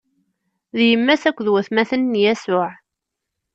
D yemma-s akked watmaten n Yasuɛ.